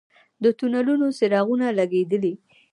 د تونلونو څراغونه لګیدلي؟